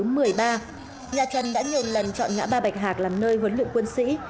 nhà trần đã nhiều lần chọn ngã ba bạch hạc làm nơi huấn luyện quân sĩ